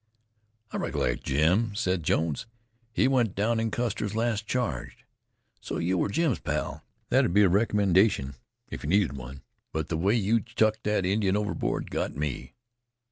"I recollect Jim," said Jones. "He went down in Custer's last charge. So you were Jim's pal. That'd be a recommendation if you needed one. But the way you chucked the Indian overboard got me."